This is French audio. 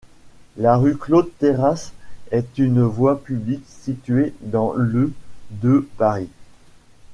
La rue Claude-Terrasse est une voie publique située dans le de Paris.